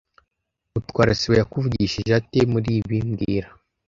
Mutwara sibo yakuvugishije ate muri ibi mbwira